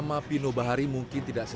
kami sering berdiskusi